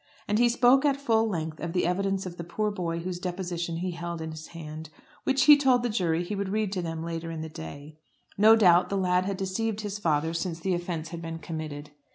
And he spoke at full length of the evidence of the poor boy whose deposition he held in his hand, which he told the jury he would read to them later on in the day. No doubt the lad had deceived his father since the offence had been committed.